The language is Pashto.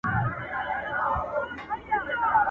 چي پرون وو گاونډی نن میرڅمن سو؛